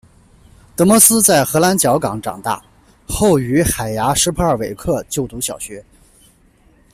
德摩斯在荷兰角港长大，后于海牙史普尔维克就读小学。